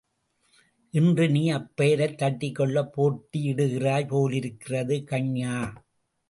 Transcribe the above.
இன்று நீ அப்பெயரைத் தட்டிக்கொள்ளப் போட்டியிடுகிறாய் போலிருக்கிறது!... கன்யா!